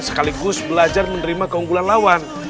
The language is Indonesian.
sekaligus belajar menerima keunggulan lawan